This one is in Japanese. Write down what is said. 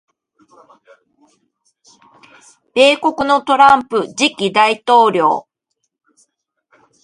米国のトランプ次期大統領